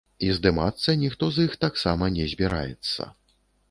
І здымацца ніхто з іх таксама не збіраецца.